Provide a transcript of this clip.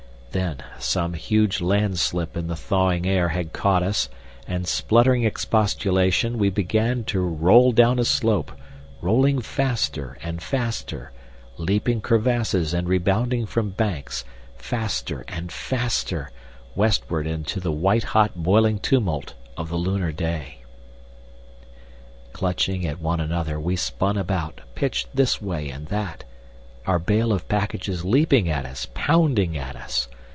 Then some huge landslip in the thawing air had caught us, and spluttering expostulation, we began to roll down a slope, rolling faster and faster, leaping crevasses and rebounding from banks, faster and faster, westward into the white hot boiling tumult of the lunar day. Clutching at one another we spun about, pitched this way and that, our bale of packages leaping at us, pounding at us.